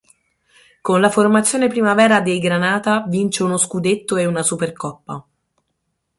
Con la formazione Primavera dei granata vince uno scudetto e una supercoppa.